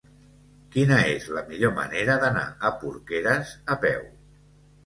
Quina és la millor manera d'anar a Porqueres a peu?